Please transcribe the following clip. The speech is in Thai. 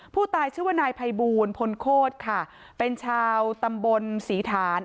ผู้ตายชื่อว่านายภัยบูลพลโคตรค่ะเป็นชาวตำบลศรีฐาน